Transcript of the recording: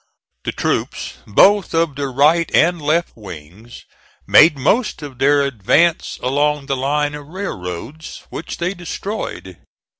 The troops, both of the right and left wings, made most of their advance along the line of railroads, which they destroyed.